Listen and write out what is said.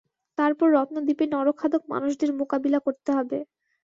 তারপর রত্নদ্বীপে নরখাদক মানুষদের মোকাবিলা করতে হবে।